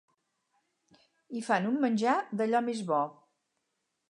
Hi fan un menjar d'allò més bo.